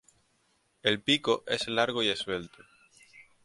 El pico es largo y esbelto.